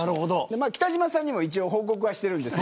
北島さんにも一応報告はしているんです。